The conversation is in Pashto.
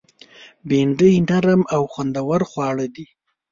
بېنډۍ نرم او خوندور خواړه دي